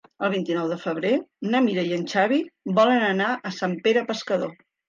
El vint-i-nou de febrer na Mira i en Xavi volen anar a Sant Pere Pescador.